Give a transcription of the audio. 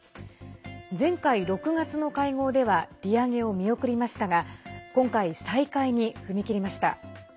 前回、６月の会合では利上げを見送りましたが今回、再開に踏み切りました。